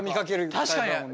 確かにね。